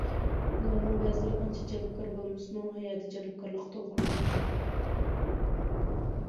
ئۇلارنىڭ بەزىلىرى ئانچە جەلپكار بولمىسىمۇ، ھاياتى جەلپكارلىققا تولغان بولىدۇ.